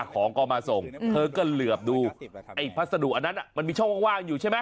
ของก็มาส่งเธอก็เหลือบดูไอ้พัสดุอันนั้นมันมีช่องว่างอยู่ใช่ไหม